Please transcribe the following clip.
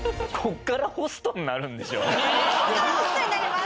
ここからホストになります。